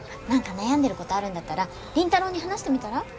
何か悩んでることあるんだったら凛太朗に話してみたら？